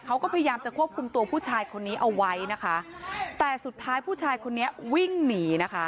เขาก็พยายามจะควบคุมตัวผู้ชายคนนี้เอาไว้นะคะแต่สุดท้ายผู้ชายคนนี้วิ่งหนีนะคะ